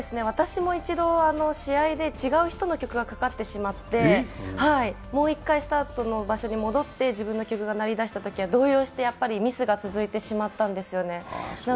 私も一度試合で違う人の曲がかかってしまってもう１回スタートの場所に戻って自分の曲が鳴り出したときには、動揺してミスが続いてしまったんですよね。